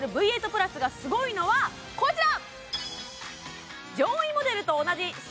プラスがすごいのはこちら！